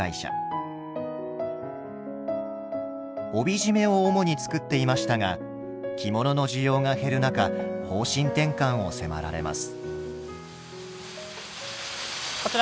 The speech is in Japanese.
帯締めを主に作っていましたが着物の需要が減る中方針転換を迫られます。